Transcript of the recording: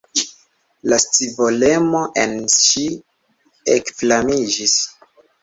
La scivolemo en ŝi ekflamiĝis!